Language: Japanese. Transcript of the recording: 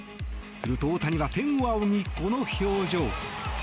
すると大谷は天を仰ぎこの表情。